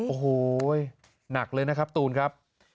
โอ้โหหนักเลยนะครับตูนครับ